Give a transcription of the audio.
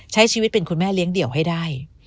ใช้ชีวิตเป็นคุณแม่เลี้ยงเดี่ยวให้ได้